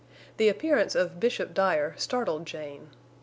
The appearance of Bishop Dyer startled Jane.